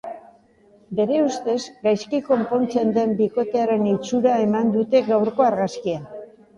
Bere ustez, gaizki konpontzen den bikotearen itxura eman dute gaurko argazkian.